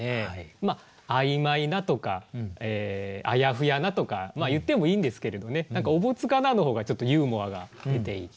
まあ「曖昧な」とか「あやふやな」とか言ってもいいんですけれどね何か「覚束無」の方がちょっとユーモアが出ていて。